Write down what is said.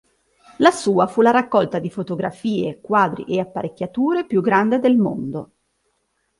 La sua fu la raccolta di fotografie, quadri e apparecchiature più grande del mondo.